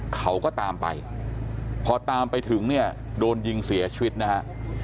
เขาก็ตามไปพอตามไปถึงเนี่ยโดนยิงเสียชีวิตนะฮะ